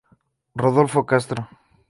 Rodolfo Castro.